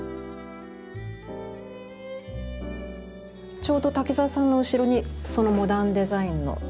ちょうど滝沢さんの後ろにそのモダンデザインのドレスが。